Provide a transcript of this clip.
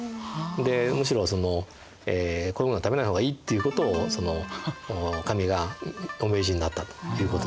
でむしろこういうものは食べない方がいいっていうことを神がお命じになったということですね。